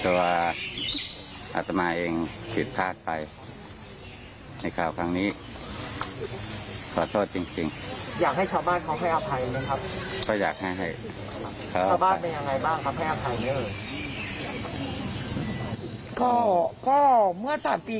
ชาวบ้านอีกอยากให้อยากเปลี่ยนมั้ยครับนี่เพิ่งดื่มมาต้นเดือนเนี่ย